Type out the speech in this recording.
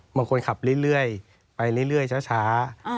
คนขับเรื่อยไปเรื่อยช้า